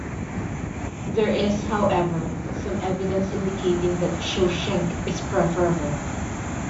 There is, however, some evidence indicating that "Shoshenq" is preferable.